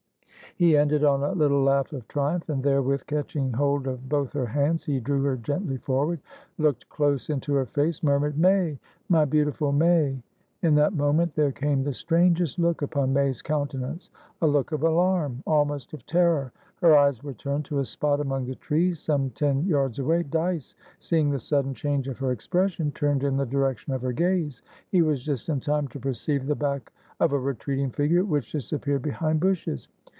He ended on a little laugh of triumph, and therewith, catching hold of both her hands, he drew her gently forward, looked close into her face, murmured "May! My beautiful May!" In that moment there came the strangest look upon May's countenance, a look of alarm, almost of terror. Her eyes were turned to a spot among the trees, some ten yards away. Dyce, seeing the sudden change of her expression, turned in the direction of her gaze. He was just in time to perceive the back of a retreating figure, which disappeared behind bushes.